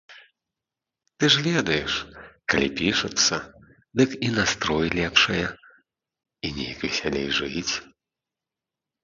Ты ж ведаеш, калі пішацца, дык і настрой лепшае, і неяк весялей жыць.